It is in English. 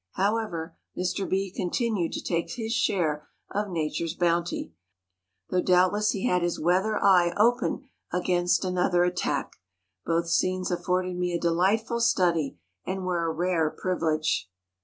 However, Mr. Bee continued to take his share of Nature's bounty, though doubtless he had his weather eye open against another attack. Both scenes afforded me a delightful study and were a rare privilege.